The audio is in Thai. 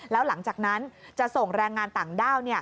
แล้วหลังจากนั้นจะส่งแรงงานต่างด้าว